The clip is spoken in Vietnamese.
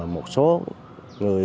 một số người